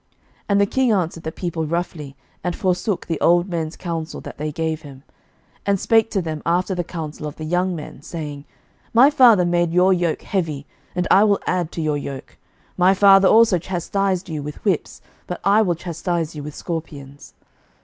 11:012:013 And the king answered the people roughly, and forsook the old men's counsel that they gave him; 11:012:014 And spake to them after the counsel of the young men, saying, My father made your yoke heavy, and I will add to your yoke: my father also chastised you with whips, but I will chastise you with scorpions.